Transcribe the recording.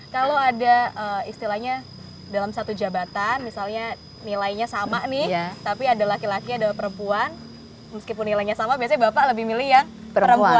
kalau ada istilahnya dalam satu jabatan misalnya nilainya sama nih tapi ada laki laki ada perempuan meskipun nilainya sama biasanya bapak lebih milih yang perempuan